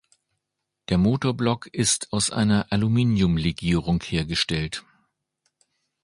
Der Motorblock ist aus einer Aluminiumlegierung hergestellt.